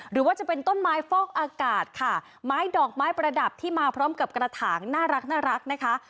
หรือว่าจะเป็นต้นไม้ฟอกอากาศค่ะไม้ดอกไม้ประดับที่มาพร้อมกับกระถางน่ารักนะคะ